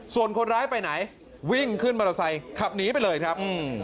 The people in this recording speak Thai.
ส่วนคนร้ายไปไหนวิ่งขึ้นมอเตอร์ไซค์ขับหนีไปเลยครับ